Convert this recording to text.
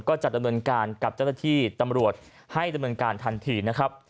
ก็จะดำเนินการกับเจ้าหน้าที่ตำรวจให้ดำเนินการทันทีนะครับ